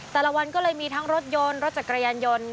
แต่ละวันก็เลยมีทั้งรถยนต์รถจักรยานยนต์